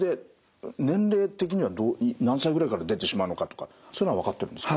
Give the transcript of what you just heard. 年齢的には何歳ぐらいから出てしまうのかとかそういうのは分かってるんですか？